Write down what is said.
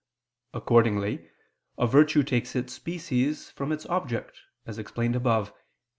Accordingly, a virtue takes its species from its object, as explained above (Q.